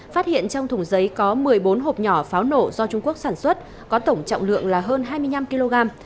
phát hiện trong thùng giấy có một mươi bốn hộp nhỏ pháo nổ do trung quốc sản xuất có tổng trọng lượng là hơn hai mươi năm kg